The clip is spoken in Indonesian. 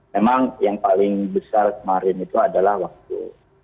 memang yang paling besar kemarin itu adalah waktu